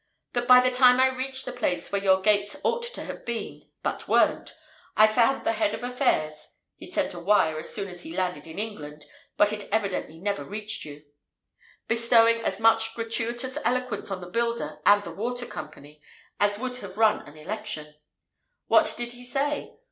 But by the time I reached the place where your gates ought to have been—but weren't—I found the Head of Affairs (he'd sent a wire as soon as he landed in England, but it evidently never reached you) bestowing as much gratuitous eloquence on the builder and the Water Company as would have run an election. What did he say?